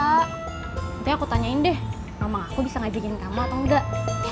nanti aku tanyain deh mamang aku bisa gak bikin kamar atau enggak